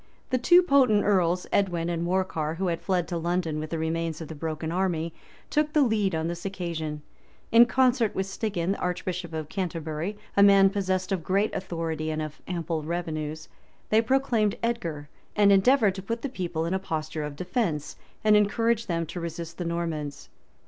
The two potent earls, Edwin and Morcar, who had fled to London with the remains of the broken army, took the lead on this occasion: in concert with Stigand, archbishop of Canterbury, a man possessed of great authority and of ample revenues, they proclaimed Edgar, and endeavored to put the people in a posture of defence, and encourage them to resist the Normans.